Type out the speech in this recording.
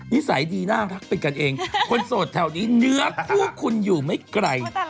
นิสัยดีน่ารักเป็นกันเองคนโสดแถวนี้เนื้อคู่คุณอยู่ไม่ไกล